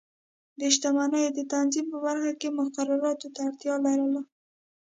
د شتمنیو د تنظیم په برخه کې مقرراتو ته اړتیا لرله.